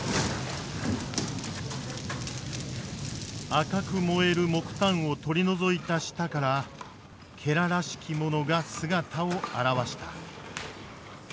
赤く燃える木炭を取り除いた下かららしきものが姿を現した。